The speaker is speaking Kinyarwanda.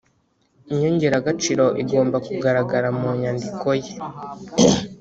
inyongeragaciro igomba kugaragara mu nyandiko ye